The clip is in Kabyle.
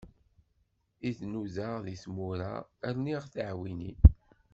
I d-nudaɣ deg tmura, rniɣ-d tiɛwinin.